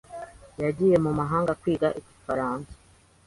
yagiye mu mahanga kwiga igifaransa.